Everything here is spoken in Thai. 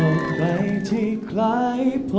มันเป็นใคร